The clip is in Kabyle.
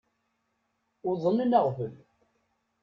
Uḍnen aɣbel.